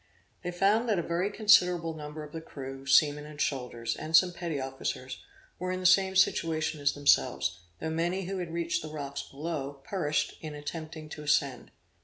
They found that a very considerable number of the crew, seamen, and soldiers, and some petty officers, were in the same situation as themselves, though many who had reached the rocks below, perished in attempting to ascend.